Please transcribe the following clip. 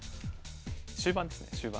終盤ですね終盤。